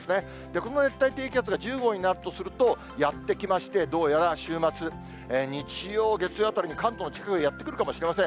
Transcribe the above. この熱帯低気圧が１０号になったとすると、やって来まして、どうやら週末、日曜、月曜あたりに関東の近くへやって来るかもしれません。